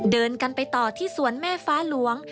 เดินกันไปต่อที่สวนแม่ฟ้าหลวง